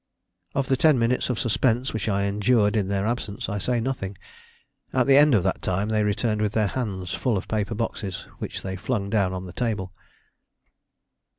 Of the ten minutes of suspense which I endured in their absence, I say nothing. At the end of that time they returned with their hands full of paper boxes, which they flung down on the table.